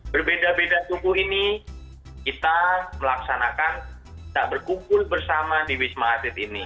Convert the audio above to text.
berbeda beda suku ini kita melaksanakan tak berkumpul bersama di wisma atlet ini